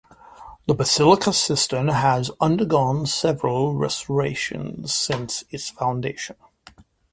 The Basilica Cistern has undergone several restorations since its foundation.